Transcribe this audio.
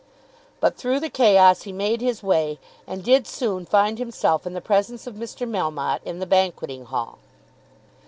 But through the chaos he made his way, and did soon find himself in the presence of Mr. Melmotte in the banqueting hall.